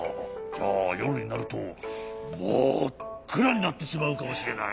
じゃあよるになるとまっくらになってしまうかもしれない。